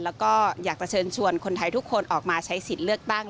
แล้วก็อยากจะเชิญชวนคนไทยทุกคนออกมาใช้สิทธิ์เลือกตั้ง